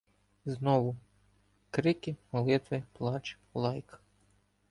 Знову — крики, молитви, плач, лайка.